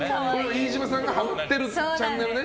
飯島さんがハマってるチャンネルね。